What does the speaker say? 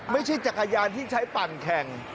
ไม่ใช่จักรยานที่ใช้ปั่นแข่ง